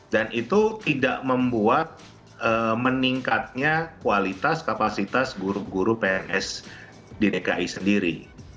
dan itu tidak membuat meningkatnya kualitas kapasitas guru guru pns di dki sendiri